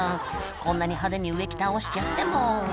「こんなに派手に植木倒しちゃってもう」